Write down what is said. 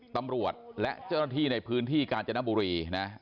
ตำรวจและเจ้าหน้าที่ในพื้นที่กาญจนบุรีนะ